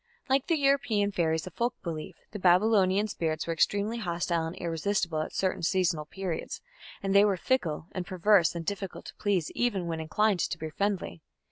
Like the European fairies of folk belief, the Babylonian spirits were extremely hostile and irresistible at certain seasonal periods; and they were fickle and perverse and difficult to please even when inclined to be friendly.